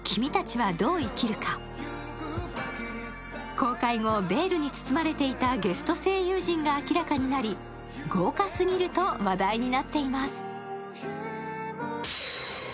公開後、ベールに包まれていたゲスト声優陣が明らかになり、豪華すぎると話題になっています。